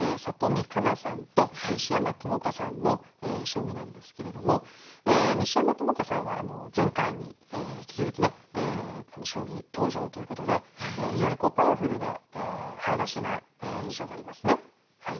里見香奈さんと西山朋佳さんの将棋なんですけれども西山朋佳さんは前回に引き続きね将棋登場ということで非常にパワフルで早指しな印象がありますね。